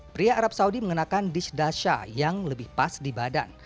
pria arab saudi mengenakan dishdasha yang lebih pas di badan